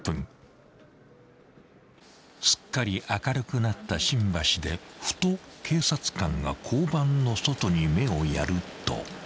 ［すっかり明るくなった新橋でふと警察官が交番の外に目をやると］